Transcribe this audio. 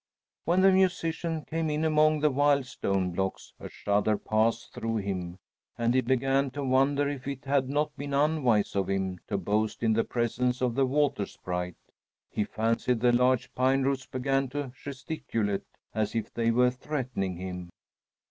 When the musician came in among the wild stone blocks, a shudder passed through him, and he began to wonder if it had not been unwise of him to boast in the presence of the Water Sprite. He fancied the large pine roots began to gesticulate, as if they were threatening him.